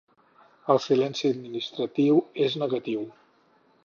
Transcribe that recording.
El silenci administratiu és negatiu.